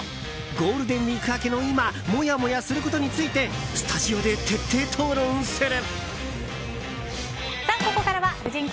ゴールデンウィーク明けの今モヤモヤすることについてスタジオで徹底討論する。